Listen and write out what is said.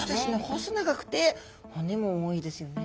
細長くて骨も多いですよね。